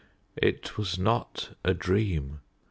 It was not a dream.